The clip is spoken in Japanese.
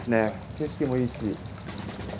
景色もいいし。